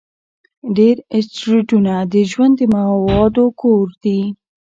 ډېر اسټروېډونه د ژوند د موادو کور دي.